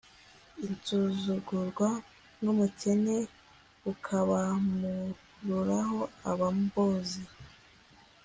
insuzugurwa n'umukene ukabamururaho abambuzi